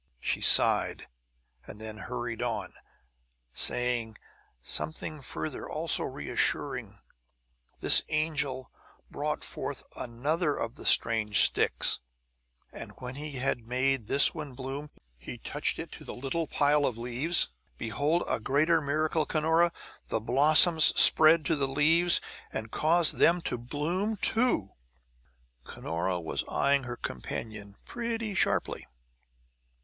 She sighed, and then hurried on. "Saying something further, also reassuring, this angel brought forth another of the strange sticks; and when he had made this one bloom, he touched it to the little pile of leaves. Behold, a greater miracle, Cunora! The blossoms spread to the leaves, and caus'ed them to bloom, too!" Cunora was eying her companion pretty sharply.